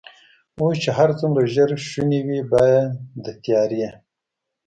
اوس چې هر څومره ژر شونې وي، باید د تیارې.